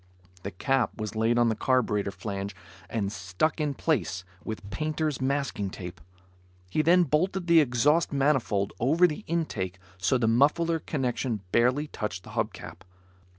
The cap was laid on the carburetor flange and stuck in place with painter's masking tape. He then bolted the exhaust manifold over the intake so the muffler connection barely touched the hub cap.